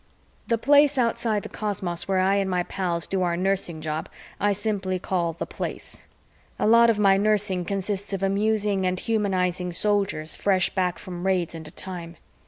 The place outside the cosmos where I and my pals do our nursing job I simply call the Place. A lot of my nursing consists of amusing and humanizing Soldiers fresh back from raids into time.